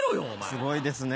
すごいですね。